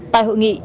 tại hội nghị